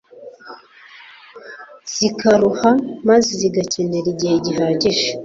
zikaruha, maze zigakenera igihe gihagije